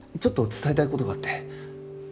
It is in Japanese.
ちょっと伝えたい事があって。